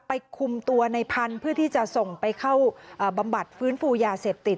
คุมตัวในพันธุ์เพื่อที่จะส่งไปเข้าบำบัดฟื้นฟูยาเสพติด